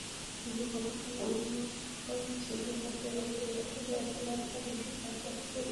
কিন্তু গতকাল আবারও ভিক্ষার ঝুলি হাতে বের হলে এলাকাবাসী তাঁকে আটক করে।